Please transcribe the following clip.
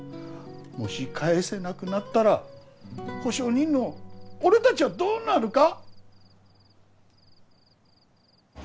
もし返せなくなったら保証人の俺たちはどうなるか。